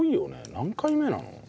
何回目なの？